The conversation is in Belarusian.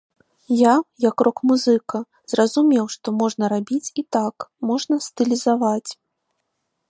Я, як рок-музыка, зразумеў, што можна рабіць і так, можна стылізаваць.